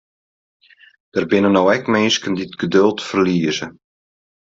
Der binne no ek minsken dy't it geduld ferlieze.